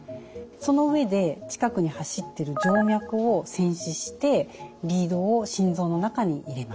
その上で近くに走ってる静脈をせん刺してリードを心臓の中に入れます。